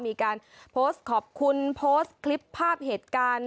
มีการโพสต์ขอบคุณโพสต์คลิปภาพเหตุการณ์